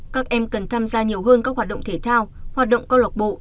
các em cần tham gia nhiều hơn các hoạt động thể thao hoạt động câu lọc bộ